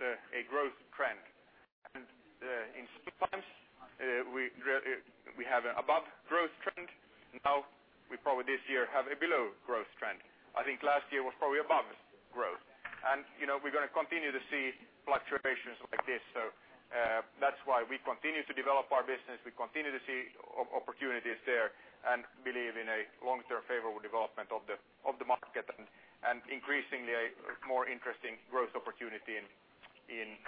a growth trend, and sometimes we have an above growth trend. We probably this year have a below growth trend. I think last year was probably above growth. We're going to continue to see fluctuations like this. That's why we continue to develop our business. We continue to see opportunities there and believe in a long-term favorable development of the market and increasingly a more interesting growth opportunity in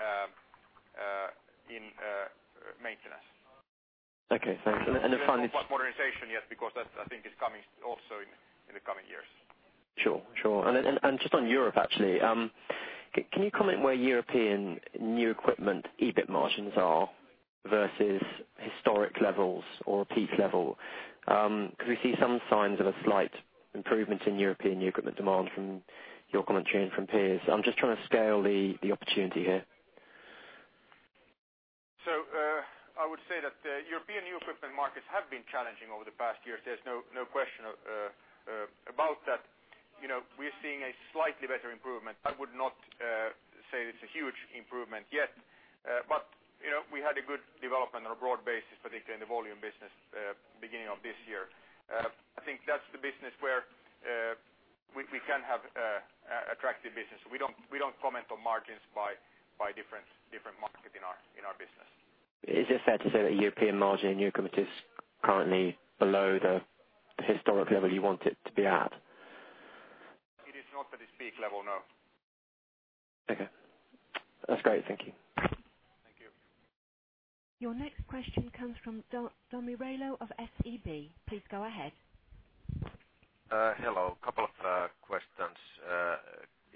maintenance. Okay, thanks. Modernization, yes, because that I think is coming also in the coming years. Sure. Just on Europe, actually, can you comment where European new equipment EBIT margins are versus historic levels or peak level? We see some signs of a slight improvement in European new equipment demand from your commentary and from peers. I'm just trying to scale the opportunity here. I would say that European new equipment markets have been challenging over the past years. There's no question about that. We're seeing a slightly better improvement. I would not say it's a huge improvement yet. We had a good development on a broad base, particularly in the volume business beginning of this year. I think that's the business where we can have attractive business. We don't comment on margins by different market in our business. Is it fair to say that European margin in new equipment is currently below the historic level you want it to be at? It is not at its peak level, no. Okay. That's great. Thank you. Thank you. Your next question comes from Tomi Railo of SEB. Please go ahead. Hello. Couple of questions.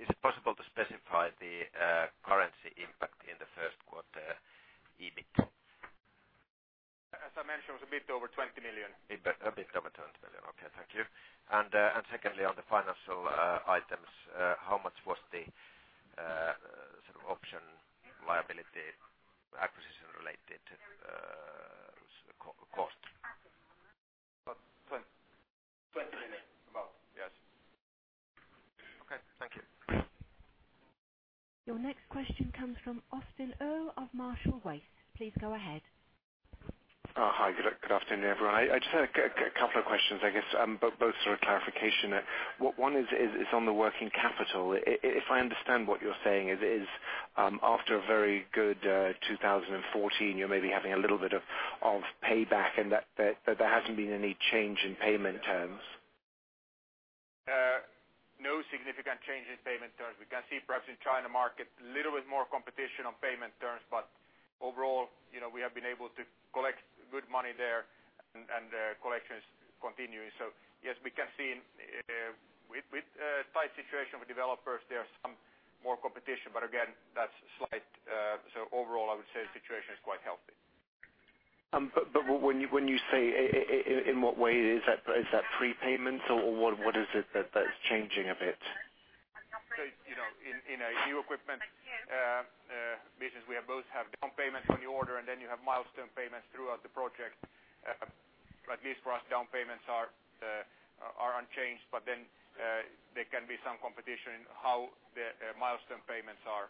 Is it possible to specify the currency impact in the first quarter EBIT? As I mentioned, it was a bit over 20 million. A bit over 20 million. Okay. Thank you. Secondly, on the financial items, how much was the sort of option liability acquisition-related cost? EUR 20 million, about. Yes. Okay, thank you. Your next question comes from Austin Earl of Marshall Wace. Please go ahead. Hi, good afternoon, everyone. I just had a couple of questions, I guess, both sort of clarification. One is on the working capital. If I understand what you're saying is, after a very good 2014, you're maybe having a little bit of payback and that there hasn't been any change in payment terms? No significant change in payment terms. We can see perhaps in China market, little bit more competition on payment terms. Overall, we have been able to collect good money there and the collection is continuing. Yes, we can see with tight situation with developers, there are some more competition. Again, that's slight. Overall, I would say the situation is quite healthy. When you say, in what way is that prepayments or what is it that is changing a bit? In a new equipment business, we have both have down payment on the order. Then you have milestone payments throughout the project. At least for us, down payments are unchanged. Then, there can be some competition in how the milestone payments are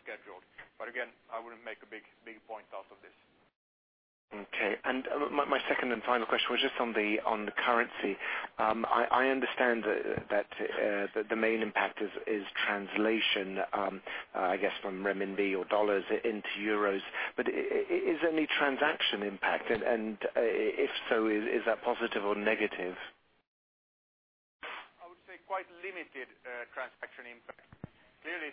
scheduled. Again, I wouldn't make a big point off of this. Okay. My second and final question was just on the currency. I understand that the main impact is translation, I guess, from renminbi or dollars into euros. Is there any transaction impact? If so, is that positive or negative? I would say quite limited transaction impact. Clearly,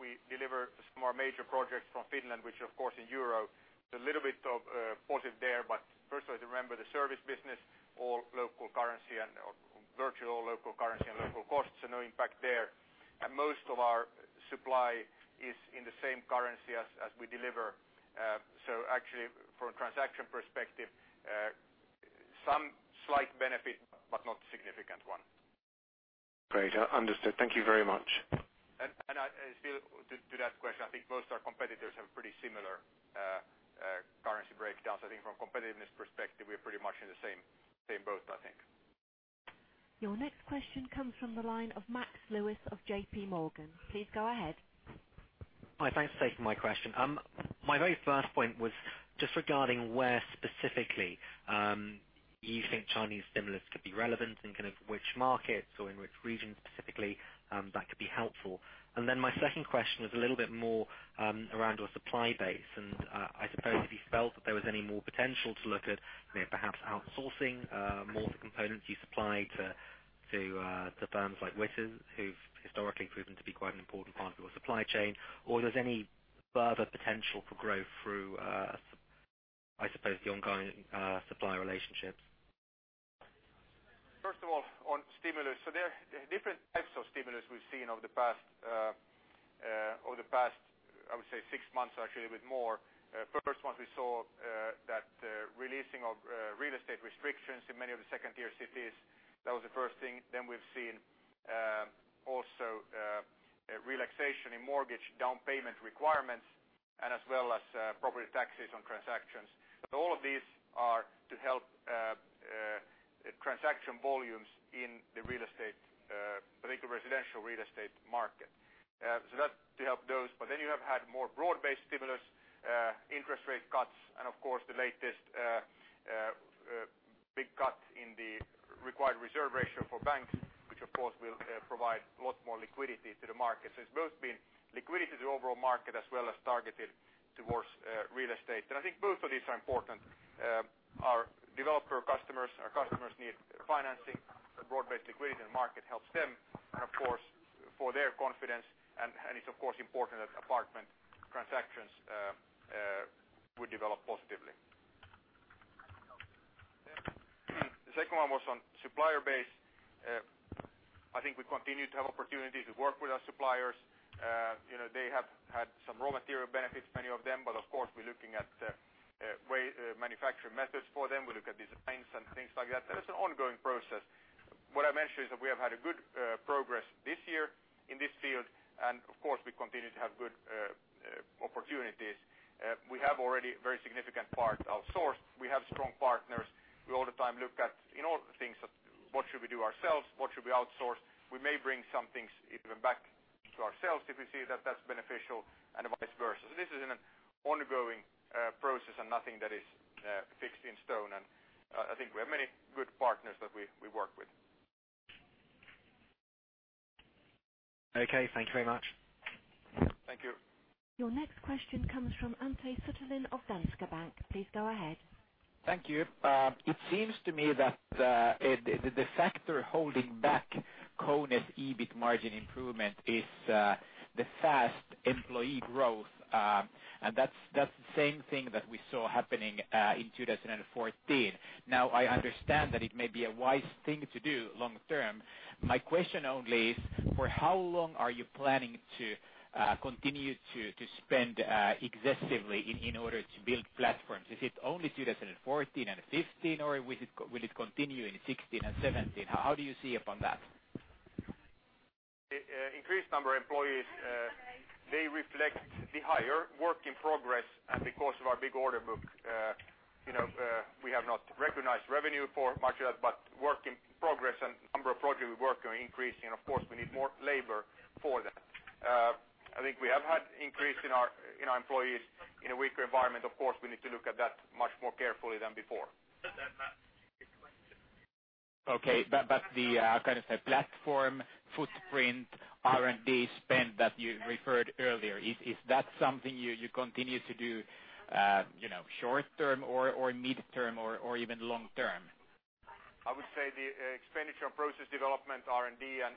we deliver some more major projects from Finland, which of course in EUR is a little bit of positive there. First, remember the service business, all local currency and virtual local currency and local costs, so no impact there. Most of our supply is in the same currency as we deliver. Actually, from a transaction perspective, some slight benefit but not significant one. Great. Understood. Thank you very much. Still to that question, I think most of our competitors have pretty similar currency breakdowns. I think from competitiveness perspective, we are pretty much in the same boat, I think. Your next question comes from the line of Max Lewis of JP Morgan. Please go ahead. Hi, thanks for taking my question. My very first point was just regarding where specifically, you think Chinese stimulus could be relevant, in kind of which markets or in which regions specifically, that could be helpful. My second question was a little bit more around your supply base and I suppose if you felt that there was any more potential to look at perhaps outsourcing more of the components you supply to firms like Wittur, who've historically proven to be quite an important part of your supply chain, or there's any further potential for growth through, I suppose the ongoing supplier relationships. First of all, on stimulus. There are different types of stimulus we've seen over the past, I would say six months, actually a bit more. First ones we saw that releasing of real estate restrictions in many of the second-tier cities. That was the first thing. We've seen also, relaxation in mortgage down payment requirements and as well as property taxes on transactions. All of these are to help transaction volumes in the real estate, particular residential real estate market. That's to help those. You have had more broad-based stimulus, interest rate cuts and of course, the latest big cut in the required reserve ratio for banks, which of course will provide a lot more liquidity to the market. It's both been liquidity to the overall market as well as targeted towards real estate. I think both of these are important. Our developer customers, our customers need financing. A broad-based liquidity market helps them and of course, for their confidence. It's of course important that apartment transactions will develop positively. The second one was on supplier base. I think we continue to have opportunities to work with our suppliers. They have had some raw material benefits, many of them. Of course, we're looking at manufacturing methods for them. We look at designs and things like that. That is an ongoing process. What I mentioned is that we have had a good progress this year in this field, and of course, we continue to have good opportunities. We have already very significant part outsourced. We have strong partners. We all the time look at in all the things that what should we do ourselves? What should we outsource? We may bring some things even back to ourselves if we see that that's beneficial and vice versa. This is an ongoing process and nothing that is fixed in stone. I think we have many good partners that we work with. Okay, thank you very much. Thank you. Your next question comes from Antti Suttelin of Danske Bank. Please go ahead. Thank you. It seems to me that the factor holding back KONE's EBIT margin improvement is the fast employee growth. That's the same thing that we saw happening in 2014. I understand that it may be a wise thing to do long term. My question only is, for how long are you planning to continue to spend excessively in order to build platforms? Is it only 2014 and 2015, or will it continue in 2016 and 2017? How do you see upon that? Increased number of employees may reflect the higher work in progress and because of our big order book. We have not recognized revenue for much of that, but work in progress and number of projects we work are increasing. Of course, we need more labor for that. I think we have had increase in our employees in a weaker environment. Of course, we need to look at that much more carefully than before. Okay. The, can I say, platform footprint, R&D spend that you referred earlier, is that something you continue to do short term or midterm or even long term? Expenditure on process development, R&D, and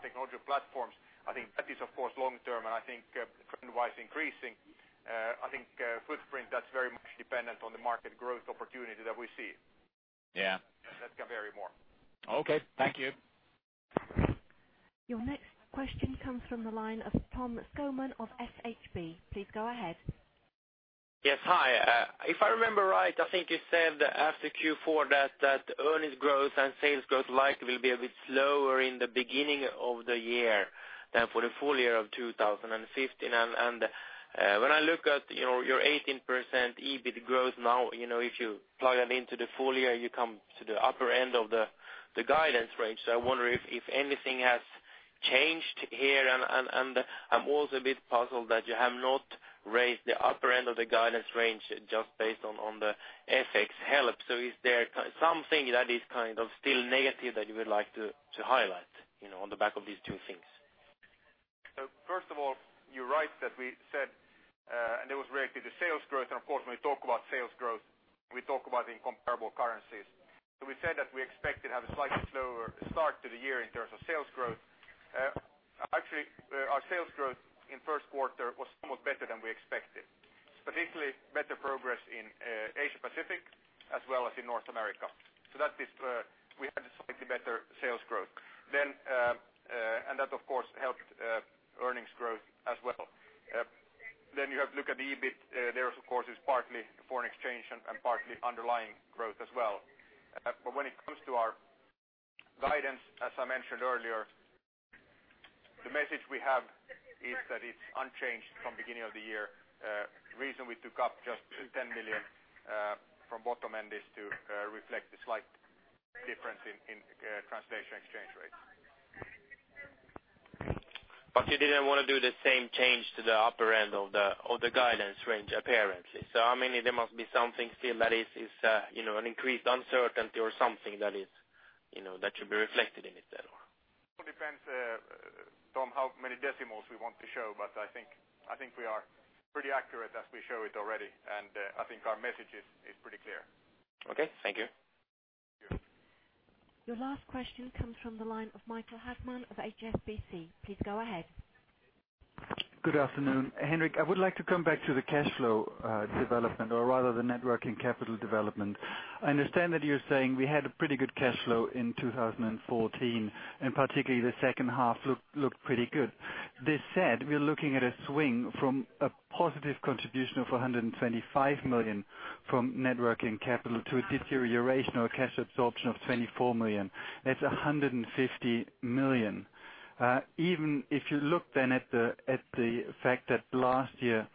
technology platforms. I think that is, of course, long-term, and I think trend-wise increasing. I think footprint, that's very much dependent on the market growth opportunity that we see. Yeah. That can vary more. Okay. Thank you. Your next question comes from the line of Tom Skogman of SHB. Please go ahead. Yes. Hi. If I remember right, I think you said after Q4 that earnings growth and sales growth likely will be a bit slower in the beginning of the year than for the full year of 2015. When I look at your 18% EBIT growth now, if you plug that into the full year, you come to the upper end of the guidance range. I wonder if anything has changed here, and I'm also a bit puzzled that you have not raised the upper end of the guidance range just based on the FX help. Is there something that is still negative that you would like to highlight, on the back of these two things? First of all, you're right that we said, and it was related to sales growth, and of course, when we talk about sales growth, we talk about it in comparable currencies. We said that we expected to have a slightly slower start to the year in terms of sales growth. Actually, our sales growth in the first quarter was somewhat better than we expected. Particularly better progress in Asia Pacific as well as in North America. We had a slightly better sales growth. That, of course, helped earnings growth as well. You have to look at the EBIT. There, of course, is partly foreign exchange and partly underlying growth as well. When it comes to our guidance, as I mentioned earlier, the message we have is that it's unchanged from the beginning of the year. The reason we took up just 10 million from bottom end is to reflect the slight difference in translation exchange rates. You didn't want to do the same change to the upper end of the guidance range, apparently. There must be something still that is an increased uncertainty or something that should be reflected in it at all. It all depends, Tom, how many decimals we want to show, but I think we are pretty accurate as we show it already, and I think our message is pretty clear. Okay, thank you. Thank you. Your last question comes from the line of Michael Hagmann of HSBC. Please go ahead. Good afternoon. Henrik, I would like to come back to the cash flow development or rather the net working capital development. I understand that you're saying we had a pretty good cash flow in 2014, and particularly the second half looked pretty good. This said, we're looking at a swing from a positive contribution of 125 million from net working capital to a deterioration or cash absorption of 24 million. That's 150 million. Even if you look then at the fact that last year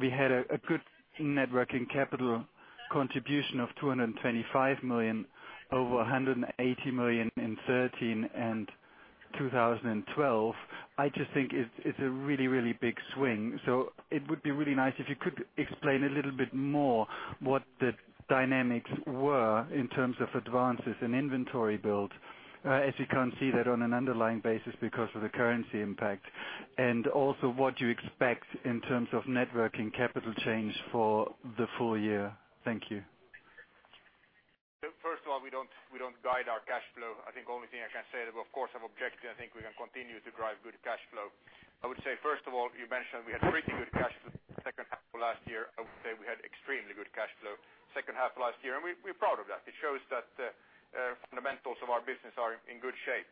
we had a good net working capital contribution of 225 million over 180 million in 2013 and 2012, I just think it's a really big swing. It would be really nice if you could explain a little bit more what the dynamics were in terms of advances in inventory build, as you can't see that on an underlying basis because of the currency impact. Also what you expect in terms of net working capital change for the full year. Thank you. First of all, we don't guide our cash flow. I think only thing I can say that, of course, our objective, I think we can continue to drive good cash flow. I would say, first of all, you mentioned we had pretty good cash flow second half of last year. I would say we had extremely good cash flow second half of last year, and we're proud of that. It shows that the fundamentals of our business are in good shape.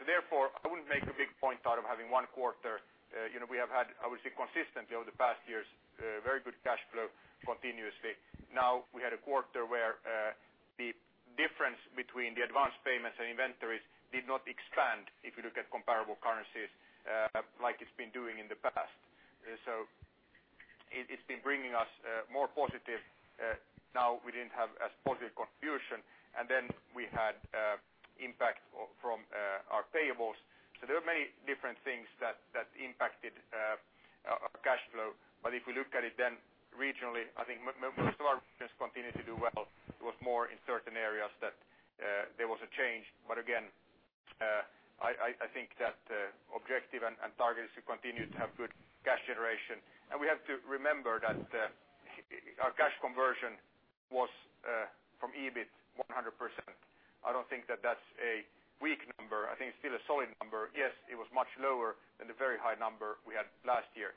Therefore, I wouldn't make a big point out of having one quarter. We have had, I would say, consistently over the past years, very good cash flow continuously. Now we had a quarter where the difference between the advanced payments and inventories did not expand, if you look at comparable currencies, like it's been doing in the past. It's been bringing us more positive. Now we didn't have as positive contribution. We had impact from our payables. There are many different things that impacted our cash flow. If we look at it then regionally, I think most of our regions continue to do well. It was more in certain areas that there was a change. Again, I think that objective and target is to continue to have good cash generation. We have to remember that our cash conversion was from EBIT 100%. I don't think that that's a weak number. I think it's still a solid number. Yes, it was much lower than the very high number we had last year.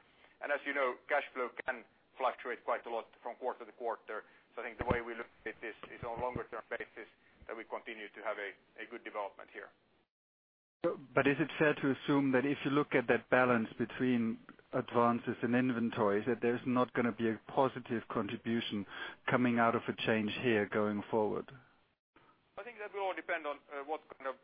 As you know, cash flow can fluctuate quite a lot from quarter to quarter. I think the way we look at this is on a longer-term basis that we continue to have a good development here. Is it fair to assume that if you look at that balance between advances and inventories, that there's not going to be a positive contribution coming out of a change here going forward? I think that will all depend on what kind of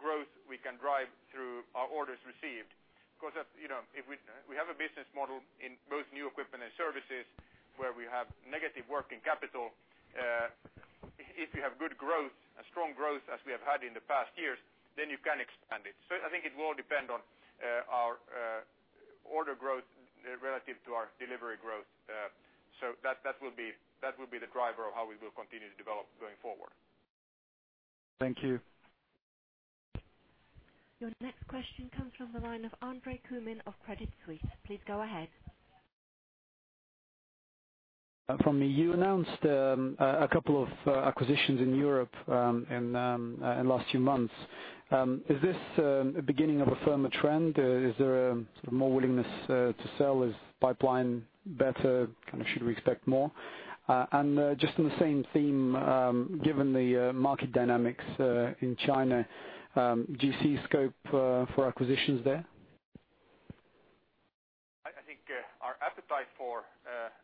growth we can drive through our orders received. We have a business model in both new equipment and services where we have negative working capital. If you have good growth and strong growth as we have had in the past years, you can expand it. I think it will depend on our order growth relative to our delivery growth. That will be the driver of how we will continue to develop going forward. Thank you. Your next question comes from the line of Andre Kukhnin of Credit Suisse. Please go ahead. From me. You announced a couple of acquisitions in Europe in last few months. Is this a beginning of a firmer trend? Is there a more willingness to sell as pipeline better, kind of should we expect more? Just on the same theme, given the market dynamics, in China, do you see scope for acquisitions there? I think our appetite for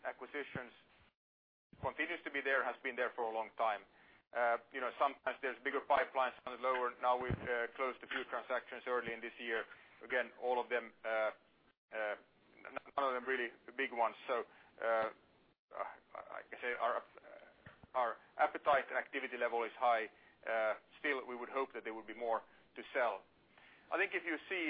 acquisitions continues to be there, has been there for a long time. Sometimes there's bigger pipelines, sometimes lower. We've closed a few transactions early in this year. Again, none of them really the big ones. I can say our appetite and activity level is high. Still, we would hope that there would be more to sell. I think if you see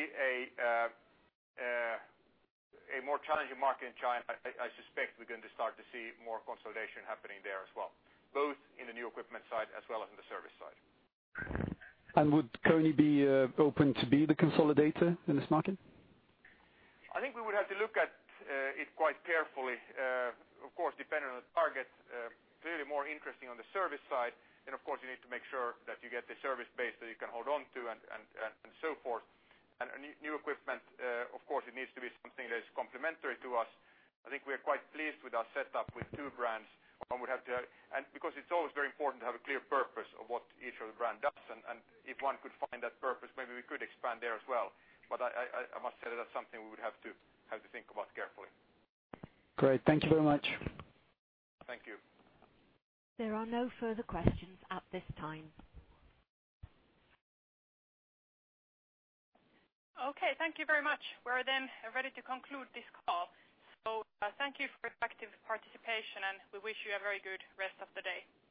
a more challenging market in China, I suspect we're going to start to see more consolidation happening there as well, both in the new equipment side as well as in the service side. Would KONE be open to be the consolidator in this market? I think we would have to look at it quite carefully. Of course, depending on the target, clearly more interesting on the service side, of course you need to make sure that you get the service base that you can hold on to and so forth. New equipment, of course, it needs to be something that is complementary to us. I think we are quite pleased with our setup with two brands. Because it's always very important to have a clear purpose of what each of the brand does, and if one could find that purpose, maybe we could expand there as well. I must say that that's something we would have to think about carefully. Great. Thank you very much. Thank you. There are no further questions at this time. Okay. Thank you very much. We're ready to conclude this call. Thank you for your active participation, and we wish you a very good rest of the day. Thank you